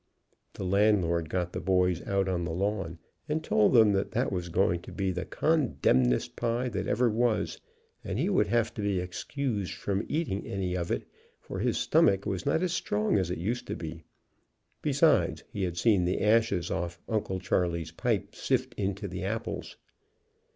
The Landlord got the boys out on the lawn and told them that was go ing to be the condemnedest pie that ever was, and he would have to be excused from eating any of it, for his stomach was not as strong as it used to be, HOW UNCLE CHARLEY MADE AN APPLE PIE 143 besides he had seen the ashes off Uncle Charley's pipe sift into the apples.